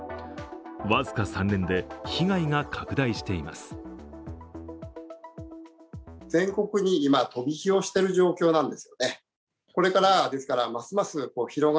僅か３年で被害が拡大しています。